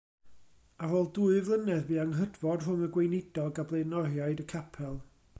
Ar ôl dwy flynedd bu anghydfod rhwng y gweinidog a blaenoriaid y capel.